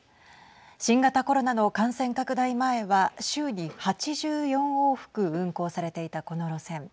新型コロナの感染拡大前は週に８４往復運航されていたこの路線。